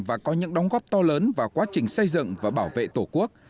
và có những đóng góp to lớn vào quá trình xây dựng và bảo vệ tổ quốc